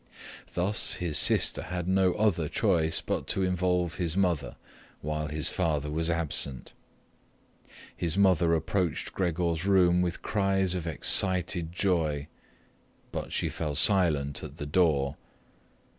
Thus, his sister had no other choice but to involve his mother while his father was absent. His mother approached Gregor's room with cries of excited joy, but she fell silent at the door.